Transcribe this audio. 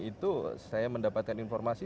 itu saya mendapatkan informasi